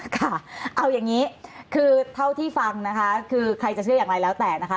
ค่ะเอาอย่างนี้คือเท่าที่ฟังนะคะคือใครจะเชื่ออย่างไรแล้วแต่นะคะ